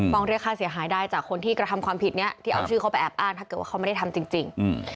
เรียกค่าเสียหายได้จากคนที่กระทำความผิดนี้ที่เอาชื่อเขาไปแอบอ้างถ้าเกิดว่าเขาไม่ได้ทำจริง